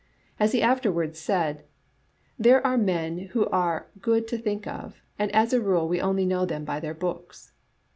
As he afterward said, " There are men who are good to think of, and as a rule we only know them by their books.